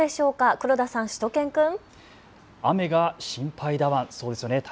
黒田さん、しゅと犬くん。